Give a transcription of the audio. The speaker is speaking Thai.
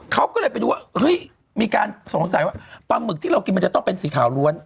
เขาก็เลยไปดูว่าเฮ้ยมีการสงสัยว่าปลาหมึกที่เรากินมันจะต้องเป็นสีขาวล้วน